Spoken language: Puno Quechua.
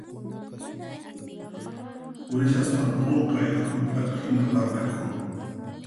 Purishaspan qunqay hamp'atu hina laq'akun.